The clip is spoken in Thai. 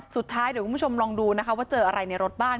สุดท้ายเดี๋ยวคุณผู้ชมลองดูนะคะว่าเจออะไรในรถบ้าง